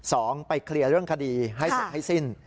สองไปเคลียร์เรื่องคดีให้จบให้สิ้น